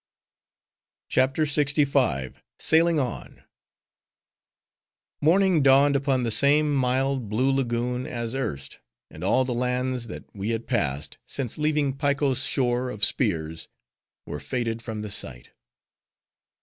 CHAPTER LXV. Sailing On Morning dawned upon the same mild, blue Lagoon as erst; and all the lands that we had passed, since leaving Piko's shore of spears, were faded from the sight.